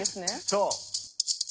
そう。